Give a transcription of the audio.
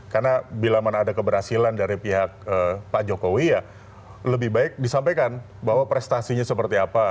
karena bila mana ada keberhasilan dari pihak pak jokowi ya lebih baik disampaikan bahwa prestasinya seperti apa